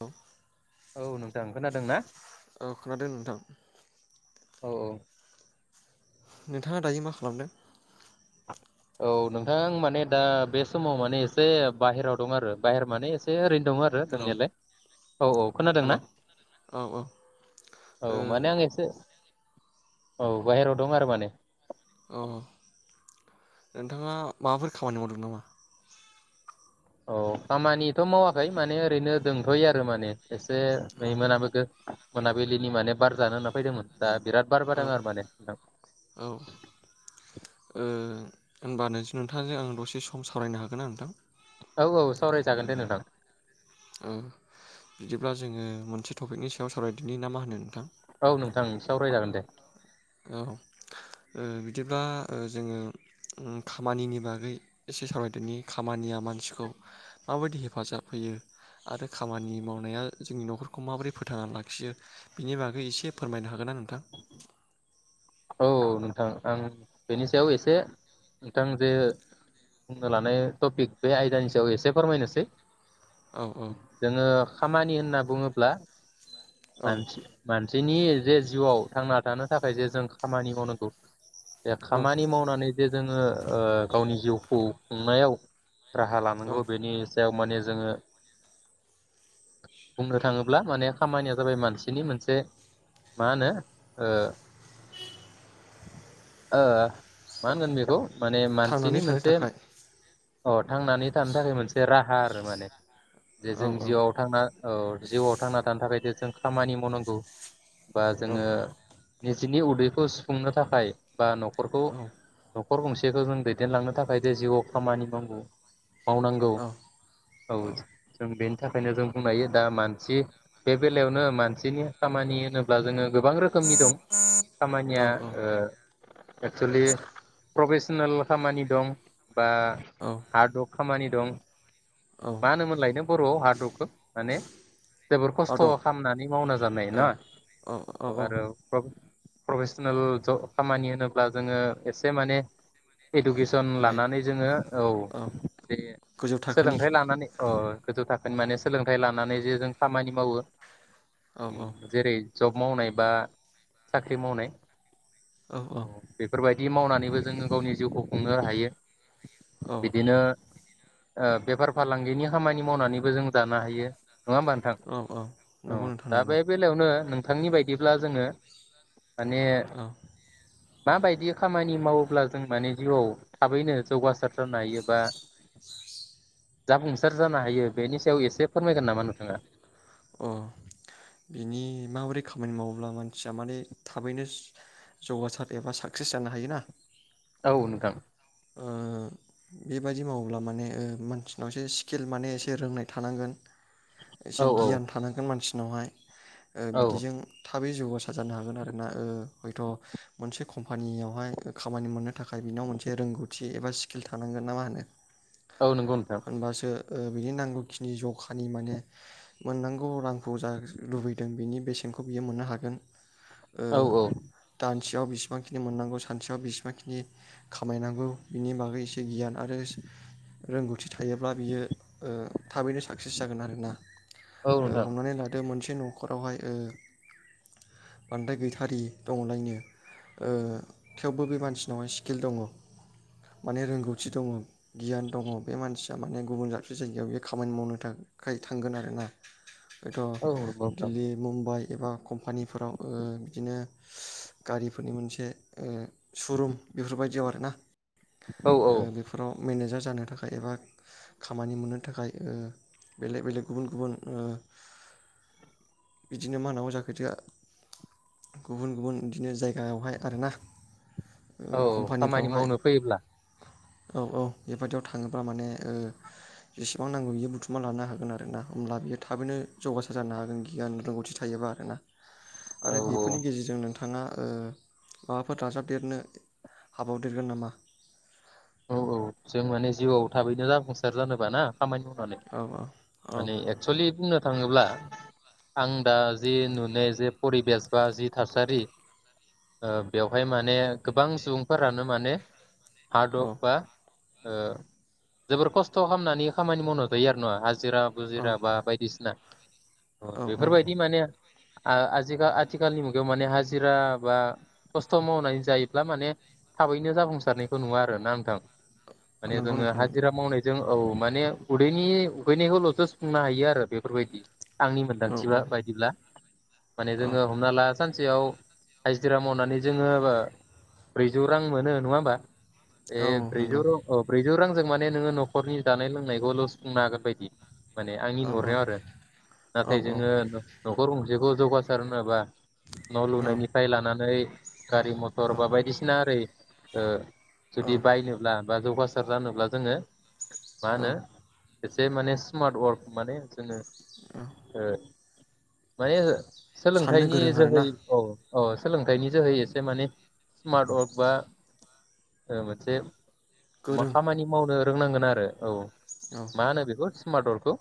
औ औ नोंथां खोनादों ना? औ खोनादों नोंथां? औ औ नोंथाङा दायो मा खालामदों? औ नोंथां माने दा बे समाव माने एसे बाहहेराव दं आरो बाहेर माने एसे ओरैनो दङ आरो हेलौ दोंनायलाय औ औ हेलौ खोनादोंना औ औ औ ओ माने आं एसे औ बाहेरायाव दं आरो माने अ नोंथाङा माबाफोर खामानि मावदों नामा? औ खामानिथ' मावाखै माने ओरैनो दोंथ'यो आरो माने एसे औ रोय मोनाबैखो मोनाबिलिनि माने बार जानो होनना फैदोंमोन। दा बिराद बार औ बारदों आरो माने नोंथां। औ ओ होनबा नोंथांजों आं दसे सम सावरायनो हागोन ना नोंथां? औ औ सावरायजागोन दे नोंथां ओ बिदिब्ला जोङो मोनसे टपिकनि सायाव सावरायदिनि ना मा होनो? नोंथां औ नोंथां सावरायजागोन दे। औ बिदिब्ला ओ जोङो उम खामानिनि बागै एसे सावरायदोंनि खामानिया मानसिखौ माबायदि हेफाजाब होयो आरो खामानि मावनाया जोंनि न'खरखौ माबोरै फोथांनानै लाखियो बिनि बागै एसे फोरमायनो हागोनना नोंथां? औ नोंथां आं बेनि सायाव एसे नोंथां जे बुंनो लानाय टपिक बे आयदानि सायाव एसे फोरमायनोसै। औ जोङो खामानि होनना बुङोब्ला औ मानसि मानसिनि जे जिउआव थांना थानो थाखाय जे जों खामानि मावनांगौ। दा औ खामानि मावनानै जे जोङो ओ गावनि जिउखौ खुंनायाव राहा औ लानांगौ बेनि सायाव माने जोङो बुंनो थाङोब्ला माने खामानिया जाबाय मानसिनि मोनसे मा होनो ओ ओ मा होनगोन बेखौ माने थांनानै मानसिनि थानो मोनसे थाखाय अ थांनानै थानो थाखाय मोनसे राह हार माने जे औ जों औ जिउआव थांना औ जिउआव थांना थानो थाखाय जों खामानि मावनांगौ। बा औ जोङो निजनि उदै खौ सुफुंनो थाखाय बा न'खरखौ न'खर गंसेखौ जों दैदेनलांनो थाखाय जे जिउआव खामानि मावनो। मावनांगौ औ औ जों बेनो थाखायनो जों बुंनो हायो दा मानसि बे बेलायावनो मानसिनि खामानि होनोब्ला जोङो गोबां रोखोमनि दं। खामानिया औ औ ओ एक्सलि प्रभेस सनेल खामानि दं। बा हार्डवर्क खामानि दं। औ मा होनोमोनलाय नों बर'आव हार्डवर्कखौ माने जोबोर खस्थ' आदब खालामनानै मावना जानाय ए ना औ औ औ आरो। प्रफेसनेल जब खामानि होनोब्ला जोङो एसे माने इडुकेसन हाय लानानै जोङो औ जे गोजौ थाखोनि सोलोंथाइ लानानै औ। गोजौ थाखोनि माने सोलोंथाइ लानानै जे जों खामानि मावो। औ औ उम जेरै जब मावनाय बा साख्रि मावनाय औ औ बेफोरबाय बिदि मावनानैबो जोङो गावनि जिउखौ खुंनो हायो। औ बिदिनो बेफार फालांगिनि खामानि मावनानैबो जों जानो हायो। नङा होमबा औ नोंथां औ नंगौ नोंथां दा नंगौ बे बेलायावनो नों थांनि बायदिब्ला जोङो माने औ माबायदि खामानि मावोब्ला जों माने जिउआव थाबैनो जौगासार जानो हायो बा जाफुंसार जानो हायो बेनि सायाव एसे फोरमायगोन नामा नोंथाङा? अ बिनि माबोरै खामानि मावोब्ला मानसिया माने थाबैनो जौगासार एबा साक्सेस जानो हायोना। औ नोंथां। बेबायदि मावोब्ला माने मानसिनावसो स्केल माने एसे रोंनाय थानांगोन। एसे औ औ गियान थानांगोन मानसि नावहाय। ओ औ बिदिजों थाबै जौगासार जानो हागोन आरोना हयथ' मोनसे कम्पानियावहाय खामानि मोननो बेे रोंगौथि एबा स्किल थानांगोन ना मा होनो औ नंगौ नोंथां। होनबासो बिनि नांगौखिनि जखानि माने मोननांगौ रांखौ जा लुबैदों बिनि बेसेनखौ बियो मोननो हागोन। ओ औ औ दा बेयाव बेसेबांखिनि मोननांगौ सानसेयाव बेसेबांखिनि खामायनांगौ बिनि बागै एसे गियान आरो रोंगौथि थायोब्ला बियो ओ थाबैनो साग साक्सेस जागोन आरोना औ नोंथां हमनानै लादो मोनसे न'खरावहाय ओ बांद्राय गैथारि दंलायनो ओ थेवबो बे मानसिनाव सकेल दङ माने रोंगौथि दङ गियान दङ बे मानसिया माने गुबुन दाबसे जायगायाव बे खामानि मावनो थाखाय थांगोन आरोना हयथ' औ नंगौ नोंथां दिल्ली मुम्बाइ एबा कम्पानिफोराव ओ बिदिनो ससस गारिफोरनि मोनसे ओ सुरुम बायदि आरो ना औ औ ओ बेफोराव मेनेजार जानो थाखाय एबा खामानि मोननो थाखाय ओ बेलेक बेलेक गुबुन गुबुन ओ बिदिनो मा होनांगौ जाखोदा गुबुन गुबुन बिदिनो जाय यावहाय आरोना औ औ खामानि मावनो फैयोब्ला औऔ बे बायदिआव थाङोबा माने ओ बेसेबां नांगौ बियो बुथुमा लानो हागोन आरो ना होनब्ला बियो थाबैनो जौगासार जानो हागोन गियान रोंगौथि थायोबा आरो ना औ आरो बेफोरनि गेजेरजों नोंथाङा ओ माबाफोर दाजाबदेरनो हाबावदेरगोन नामा औ औ जों माने जिउआव थाबैनो जाफुंसार जानोबा ना खामानि मावनानै औ औ औ माने एक्सलि बुंनो थाङोब्ला आं दा जि नुनाय जे परिबेस बा जि थासारि बेवहाय माने गोबां सुबुंफोरानो माने हार औ दक ओ जोबोर खस्थ' खालामनानै खामानि मावना जायो आरो ना हाज जिरा औ बुजिरा बा बायदिसिना अ औ बेफोरबायदि माने आजिखााल आथिखालनि मुगायाव माने हाजिरा बा खस्थ' मावनानै जायोब्ला माने थाबैनो जाफुंसारनायखौ नुवा आरो नान थां माने नंगौ जोङो नोंथां नंगौ हाजिरा मावनायजों औ माने उदैनि उगैनायखौल' जफुंनो हायो आरो बेफोरबायदि आंनि औ मोन्दांथिबा औ बायदिब्ला माने औ जोङो हमना ला सानसेयाव हाजिरा मावनानै जोङो ब्रैजौ रां मोनो नङा होमबा ए औ औ ब्रिज नंगौ रं अ ब्रैजौ रां जों माने नोङो न'खरनि जानाय लोंनायखौल' सुफुंनो हागोन बायदि माने आंनि औ औ नरनायाव आरो औ नाथाय जोङो न'खर जखौ जौगासार नङाबा न' लुनायनिफ्राय लानानै। गारि मथर औ बा बायदिसिना ओरै [inaudible] औ जुदि बायोब्ला बा जौगासार जानोब्ला जोङो औ मानो एसे माने स्मार्ट वार्क माने जोङो औ ओ मायो साननो सोलोंथाइनि गोरों जोहै आरोना औ। अ सोलोंथाइनि जोहै एसे माने स्मार्ट वार्क बा ओ मोनसे मा गोरों खामानि मावनो फोरोंनांगोन आरो औ औ मा होनो बिखौ मदरखौ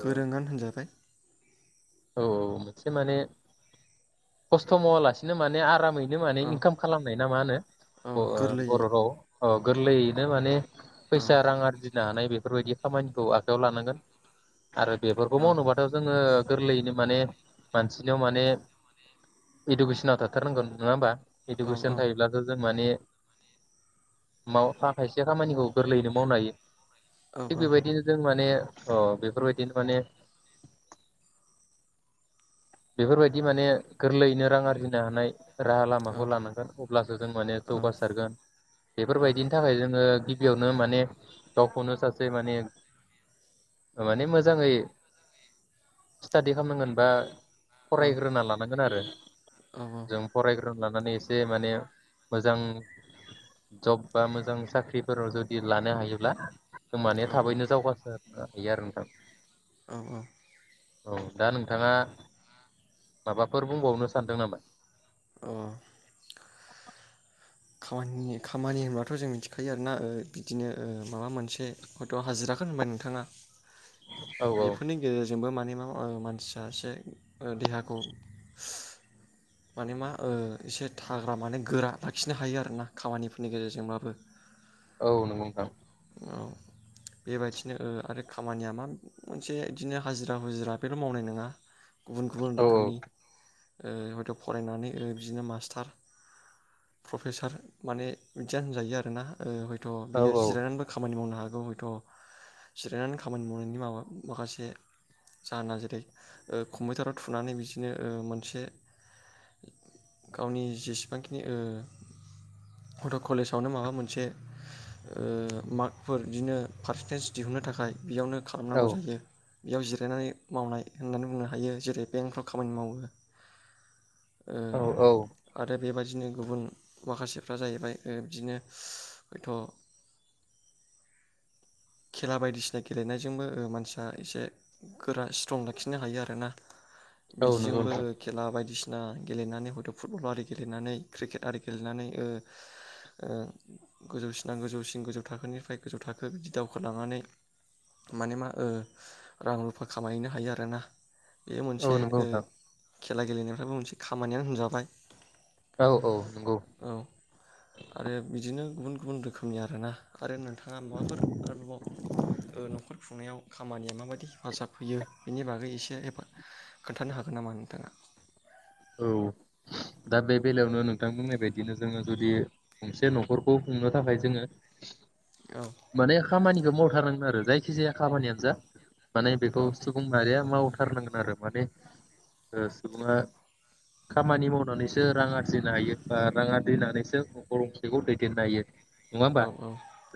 गोरों आनो होनजाबाय औ मोनसे माने खस्थ' मावालासिनो माने आरामै बिनो माने औ इनकाम खालामनाय ना मा होनो औ गोरलैयै बर' राव अगोरल इनो माने औ फैसा रां आरो फिनो हानाय बेफोरबायदि खामानिखौ आखाइआव लानांगोन। आरो बेफोरखौ औ मावनोबाथ' जोङो। गोरलैयैनो माने मानसिनियाव माने इडुकेसनाव थाथारनांगोन नङा होमबा औ औ इडुकेसन थायोब्लासो जों माने माव खायसे खामानिखौ गोरलैयैनो मावनो हायो। औ थिग बेबायदिनो जों माने अ बेफोरबायदिनो माने बेफोरबायदि माने गोरलैयैनो रां आरजिनो हानाय। राहा लामाखौ लानांगोन अब्लासो जों माने जौगासारगोन बेफोरबायदिनि थाखाय जों ङो गिबियावनो माने गावखौनो सासे माने माने मोजाङै स्टाडि खालामनांगोन बा फरायग्रोना लानांगोन आरो जों फरायग्रो लानानै एसे माने मोजां जब बा मोजां साख्रिफोराव जुदि लानो हायोब्ला होमबानिया औ थाबैनो जौगा आरो नोंथां। औ औ। औ दा नोंथाङा माबाफोर बुंबावनो सानदों नामा? औ खामानि खामानि होनब्लाथ' जों मिथिखायो आरोना ओ बिदिनो ओ माबा मोनसे हयथ' हाजिराखौनो होनबाय नोंथाङा। औ औ बेफोरनि गेजेरजों जोंबो माने ओ मा मानसिया एसे देहाखौ माने मा ओ एसे थाग्रा माने गोरा लाखिनो खिनो हायो आरोना खामानिफोरनि गेजेरजोंबाबो औ नंगौ नोंथां। औ बेबायदिनो ओ आरो खामानिया मा मोनसे बिदिनो हाजिरा मुजिरा बेल' मावनाय नङा गुबुन गुबुन औ रोखोमनि ओ हयथ' फरायनानै बिदिनो मास्टार प्रफेसार माने बिदिया होनजायो आरोना ओ थ' औ बियो जिरायनानैबो खामानि मावनो हागोन बे हयथ' जिरायनानै खामानि मावनायनि माबा माखासे जाहोना जेरै ओ कम्पिउटाराव थुनानै बिदिनो ओ मोनसे गावनि जेसेबांखिनि ओ हथ' कलेजावनो माबा मोनसे ओ मार्कफोर बिदिनो पारसेन्टेज दिहुनो थाखाय बेयावनो खालामनांगौ जायो। बेयाव जिरायनानै मावनाय होननानै बुंनो हायो जेरै बेंकफ्राव खामानि मावो। ओ औ औ आरो बेबायदि बिदिनो गुबुन माखासेफ्रा जाहैबाय ओ बिदिनो हयथ' खेला बायदिसिना गेलेनायजोंबो मानसिया एसे गोरा स्ट्रं लाखिनो हायो आरोना। औ नंगौ बिदिजोंबो नोंथां खेला बायदिसिना खेला गेलेनानै हयथ' फुटबल आरि गेलेनानै क्रिकेट आरि गेलेनानै ओ ओ गोजौसिना गोजौसिन गोजौ थाखोनिफ्राय गोजौ थाखो बिदि दावखोलांनानै माने मा ओ रां रुफा खामायहैनो हायो आरोना। बे मोनसे औ नंगौ ओ नोंथां खेला गेलेनायफ्राबो मोनसे खामानियानो होनजाबाय औ औ। नंगौ औ आरो बिदिनो गुबुन गुबुन रोखोमनि आरो ना आरो नोंथाङा माबाफोर आरोबाव न'खर खुंनायाव खामानिया माबायदि हेफाजाब होयो बेनि बागै एसे एफा खोन्थानो हागोन नामा नोंथाङा? औ दा बे बेलायावनो नोंथां बुंनाय बायदिनो जोङो जुदि गंसे न'खरखौ खुंनो थाखाय जोङो औ माने खामानि खौ मावथारनांगोन आरो जायखि जाया खामानियानो जा माने औ बेखौ सुबुं माहारिया माव मावथारनांगोन आरो माने ओ सुबुङा खामानि मावनानैसो रां आरजिनो हायो बा रां आरजिनानैसो नखर गंसेखौ दैदेननो हायो नङा औ होमबा औ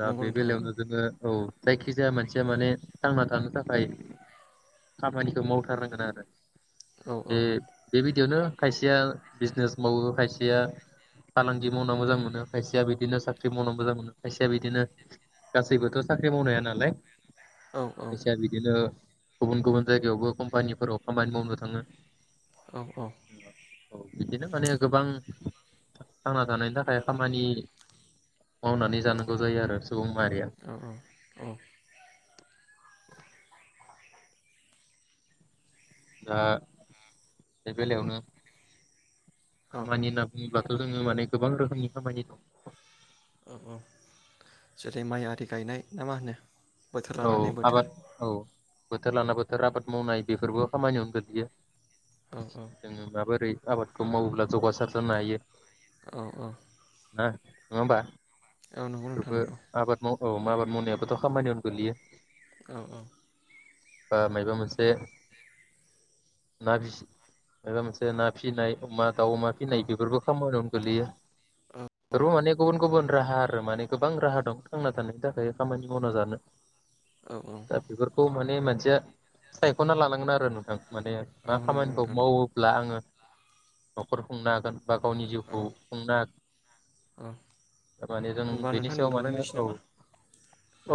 दा नंगौ बे नोंथां नंगौ बेलायावनो जोङो औ जायखिजाया मानसिया माने थांना थानो थाखाय खामानिखौ मावथारनांगोन आरो औ औ बिदियावनो खायसेया बिजनेस मावो खायसेया फालांगि मावना मोजां मोनो खायसेया बिदिनो साख्रि मावना मोजां मोनो खायसेया बिदिनो गासैबोथ' साख्रि मावनो हाया नालाय औ खायसेया बिदिनो गुबुन गुबुन जायगायावबो कम्पानिफोराव खामानि मावनो थाङो। औ औ औ बिदिनो माने गोबां थांना थानायनि थाखाय खामानि मावनानै जानांगौ जायो आरो सुबुं मारिया। औ दा बे बेलायावनो औ खामानि होनना बुङो अब्लाथ' जोङो माने गोबां रोखोमनि खामानि दं। औ औ जेरै माइ आरि गायनाय ना मा होनो? बोथोर औ लानानै बोथोर आबाद औ बोथोर लाना बोथोर आबाद मावनाय बेफोरबो खामानियावनो गोग्लैयो। औ औ जोङो माबोरै आबादखौ मावोब्ला जौगासार जानो हायो औ औ ना नङाहोमबा? औ नंगौ नोंथां नंगौ औ माबार मावनायाबोथ खामानियावनो गोगलैयो औ औ बा माइबा मोनसे ना फिसि माइबा मोनसे ना फिनाय अमा दाउ अमा औ फिनाय बेफोरखौ खामबोदों गोलैयो रु माने गुबुन गुबुन राहा आरो माने गोबां राहा दं थांना थानायनि थाखाय खामानि मावना जानो औ औ दा बेफोरखौ माने बे मोनसेया सायखना लानांगोन आरो नोंथां माने औ मा नंगौ खामानिखौ नोंथां मावोब्ला आङो नखर खुंनो हागोन बा गावनि औ जिउखौ खुंनो औ हा माने जों होनबा बेनि नोंथां सायाव माने दोनथ'लायनोसै औ नामा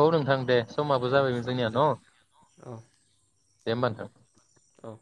औ नोंथां दे समाबो औ जाबायमोन समाबो जोंनिया न जाबाय औ दे होमबा नोंथां औ